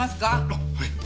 あっはい。